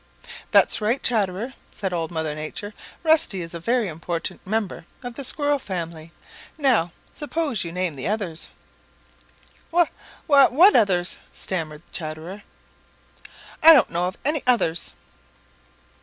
"That's right, Chatterer," said Old Mother Nature. "Rusty is a very important member of the Squirrel family. Now suppose you name the others." "Wha wha what others?" stammered Chatterer. "I don't know of any others."